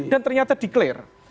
dan ternyata di clear